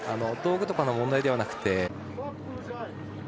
道具とかの問題ではなくて。